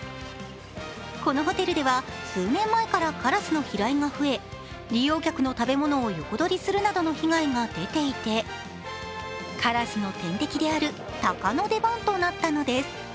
このホテルでは、数年前からカラスの飛来が増え利用客の食べ物を横取りするなどの被害が出ていてカラスの天敵である鷹の出番となったのです。